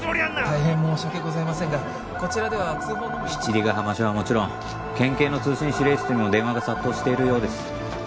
大変申し訳ございませんがこちらでは通報のみ七里ヶ浜署はもちろん県警の通信指令室にも電話が殺到しているようです